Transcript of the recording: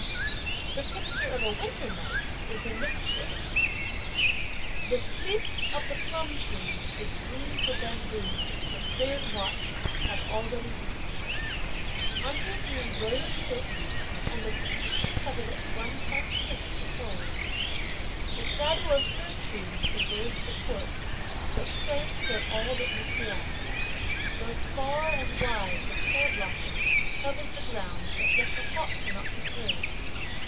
The picture of a winter night is in this strain: The sleep of the plum trees, the dream of the bamboos the third watch have already reached. Under the embroidered quilt and the kingfisher coverlet one can't sleep for the cold. The shadow of fir trees pervades the court, but cranes are all that meet the eye. Both far and wide the pear blossom covers the ground, but yet the hawk cannot be heard.